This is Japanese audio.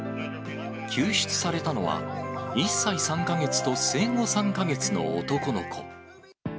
救出されたのは、１歳３か月と生後３か月の男の子。